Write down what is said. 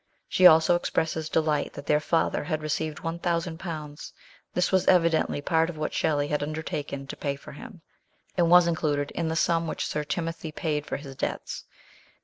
She also expresses delight that their father had received one thousand pounds this was evidently part of what Shelley had undertaken to pay for him, and was included in the sum which Sir Timothy paid for his debts.